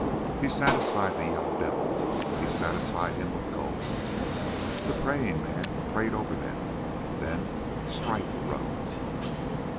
"He satisfied the Yellow Devil, he satisfied him with gold. "The praying man prayed over them, then strife arose.